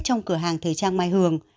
trong cửa hàng thời trang mai hường